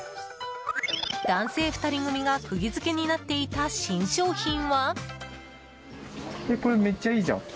男性２人組が釘付けになっていた新商品は。